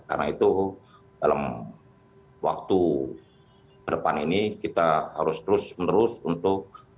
karena itu dalam waktu depan ini kita harus terus menerus untuk